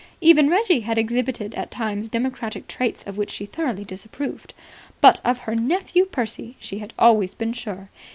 Even Reggie had exhibited at times democratic traits of which she thoroughly disapproved. But of her nephew Percy she had always been sure.